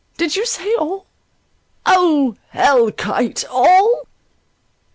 Did you say all?—O hell kite! All?